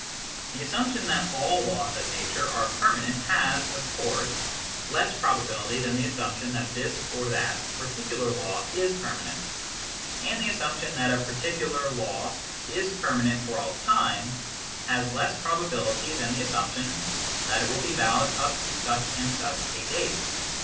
The assumption that all laws of nature are permanent has, of ON THE NOTION OF CAUSE 197 course, less probability than the assumption that this or that particular law is permanent ; and the assumption that a particular law is permanent for all time has less probability than the assumption that it will be valid up to such and such a date.